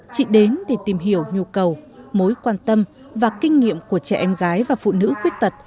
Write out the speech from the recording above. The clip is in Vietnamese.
chị đến để tìm hiểu nhu cầu mối quan tâm và kinh nghiệm của trẻ em gái và phụ nữ khuyết tật